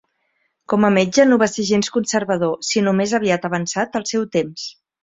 Com a metge no va ser gens conservador sinó més aviat avançat al seu temps.